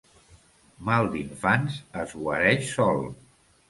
Mal d'infants es guareix sol.